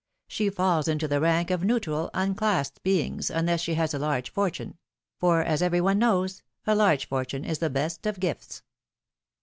She falls into the rank of neutral, unclassed beings, unless she has a large fortune ; for as every one knows, a large fortune is the best of gifts.